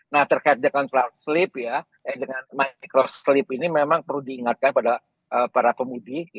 nah terkait dengan microsleep ini memang perlu diingatkan pada para pemudik